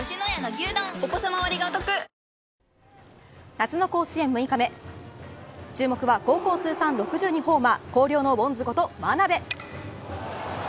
夏の甲子園６日目注目は高校通算６２ホーマー広陵のボンズこと眞鍋。